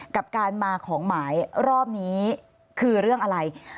กับการมาของหมายรอบนี้คือเรื่องอะไร